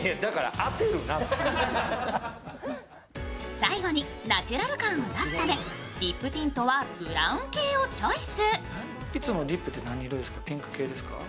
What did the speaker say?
最後にナチュラル感を出すためリップティントはブラウン系をチョイス。